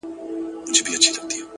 کلونه کیږي چي مي هېره ده د یار کوڅه;